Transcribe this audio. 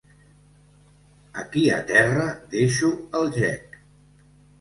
Aquí a terra deixo el gec!